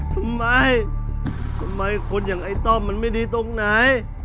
ทำไมทำไมคนอย่างไอ้ต้อมมันไม่ดีตรงไหน